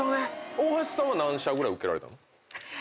大橋さんは何社ぐらい受けられたの？